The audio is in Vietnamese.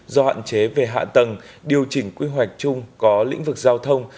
do hạn chế về hạ tầng điều chỉnh quy hoạch chung có lĩnh vực giao thông